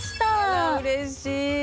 あらうれしい！